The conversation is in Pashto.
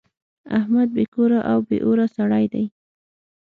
احمد بې کوره او بې اوره سړی دی.